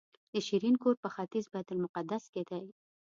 د شیرین کور په ختیځ بیت المقدس کې دی.